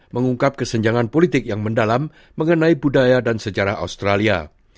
mengungkap kesenjangan politik yang mendalam mengenai budaya dan sejarah australia